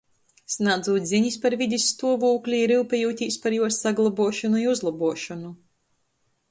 Snādzūt zinis par vidis stuovūkli i ryupejūtīs par juos saglobuošonu i uzlobuošonu.